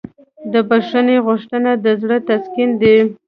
د بښنې غوښتنه د زړه تسکین دی.